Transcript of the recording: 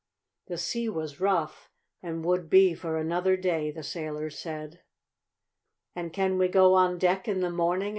The sea was rough, and would be for another day, the sailors said. "And can we go on deck in the morning?"